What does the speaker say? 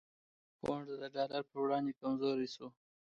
پونډ د ډالر په وړاندې کمزوری شو؛